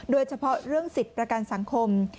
โดยเฉพาะเรื่องสิทธิ์ประกันสังคม